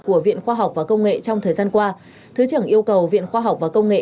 của viện khoa học và công nghệ trong thời gian qua thứ trưởng yêu cầu viện khoa học và công nghệ